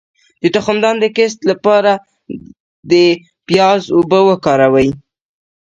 د تخمدان د کیست لپاره د پیاز اوبه وکاروئ